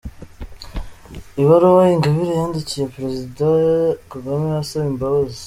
Ibaruwa Ingabire yandikiye Perezida Kagame asaba imbabazi